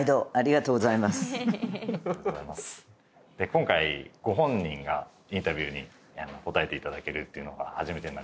今回ご本人がインタビューに答えていただけるっていうのが初めてに。